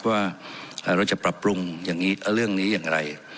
ว่าเราจะปรับปรุงอย่างนี้เรื่องนี้อย่างไร